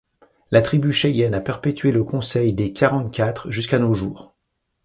La Tribu Cheyenne a perpétué le Conseil des Quarante-Quatre jusqu'à nos jours.